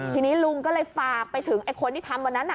ทีนี้ลุงก็เลยฝากไปถึงไอ้คนที่ทำวันนั้น